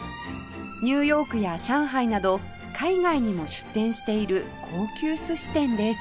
ニューヨークや上海など海外にも出店している高級寿司店です